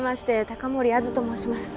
高森杏寿と申します。